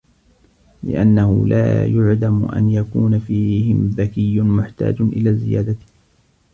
لِأَنَّهُ لَا يَعْدَمُ أَنْ يَكُونَ فِيهِمْ ذَكِيٌّ مُحْتَاجٌ إلَى الزِّيَادَةِ